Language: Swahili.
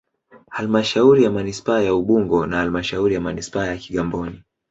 Halmashauri ya Manispaa ya Ubungo na Halmashauri ya Manispaa ya Kigamboni